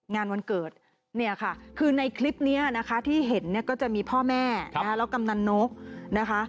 วันเกิดเนี่ยค่ะคือในคลิปนี้นะคะที่เห็นเนี่ยก็จะมีพ่อแม่แล้วกำนันนกนะคะ